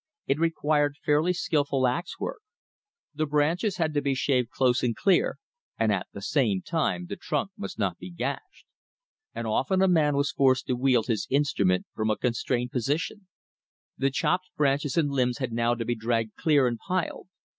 It required fairly skillful ax work. The branches had to be shaved close and clear, and at the same time the trunk must not be gashed. And often a man was forced to wield his instrument from a constrained position. The chopped branches and limbs had now to be dragged clear and piled.